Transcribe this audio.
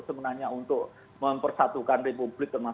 sebenarnya untuk mempersatukan republik